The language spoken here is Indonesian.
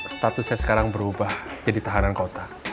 statusnya sekarang berubah jadi tahanan kota